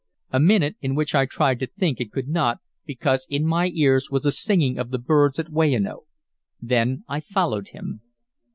A minute in which I tried to think and could not, because in my ears was the singing of the birds at Weyanoke; then I followed him.